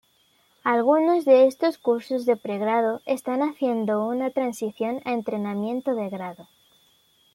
Algunos de estos cursos de pregrado están haciendo una transición a entrenamiento de grado.